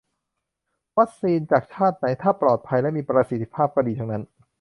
วัคซีนจากชาติไหน ถ้าปลอดภัยและมีประสิทธิภาพ ก็ดีทั้งนั้น